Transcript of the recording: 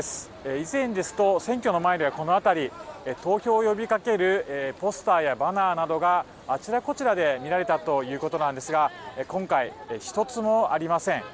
以前ですと選挙の前ではこの辺り投票を呼びかけるポスターやバナーなどがあちらこちらで見られたということなんですが今回１つもありません。